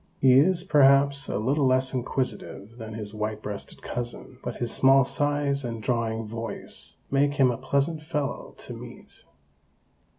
He is, perhaps, a little less inquisitive than his white breasted cousin, but his small size and drawling voice make him a pleasant fellow to meet.